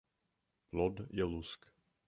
Plod je lusk.